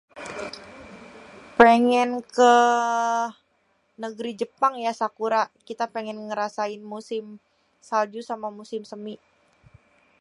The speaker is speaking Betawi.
pengên ke nêgri jepang ya sakura kita pengên ngerasain musim salju sama musim semi.